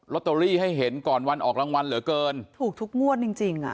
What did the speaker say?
ตเตอรี่ให้เห็นก่อนวันออกรางวัลเหลือเกินถูกทุกงวดจริงจริงอ่ะ